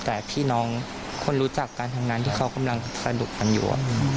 แต่พี่น้องคนรู้จักกันทั้งนั้นที่เขากำลังสนุกกันอยู่